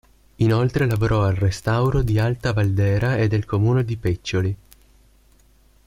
Inoltre lavorò al restauro di Alta Valdera e del Comune di Peccioli.